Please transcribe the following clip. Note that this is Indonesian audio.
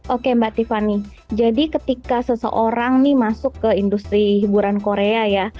oke mbak tiffany jadi ketika seseorang nih masuk ke industri hiburan korea ya